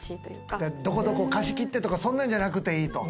どこどこ貸し切ってとかそんなんじゃなくていいと。